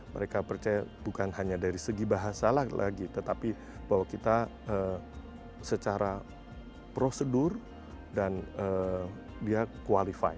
mereka percaya bukan hanya dari segi bahasa lagi tetapi bahwa kita secara prosedur dan dia qualified